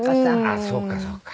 ああそうかそうか。